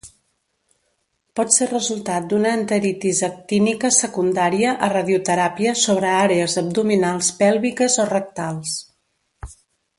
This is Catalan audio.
Pot ser resultat d'una enteritis actínica secundària a radioteràpia sobre àrees abdominals, pèlviques o rectals.